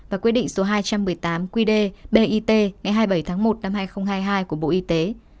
và quy định số hai trăm một mươi tám qd bit ngày hai mươi bảy tháng một năm hai nghìn hai mươi hai của bộ y tế